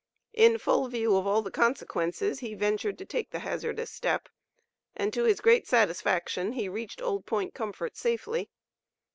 In full view of all the consequences he ventured to take the hazardous step, and to his great satisfaction he reached Old Point Comfort safely.